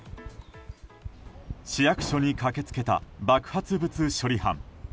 市役所に駆け付けた爆発物処理班。